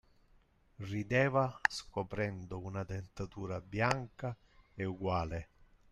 Rideva, scoprendo una dentatura bianca e uguale.